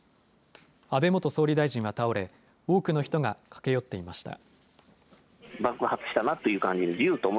安倍元総理大臣は倒れ、多くの人が駆け寄っていました。